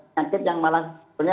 nyakit yang malah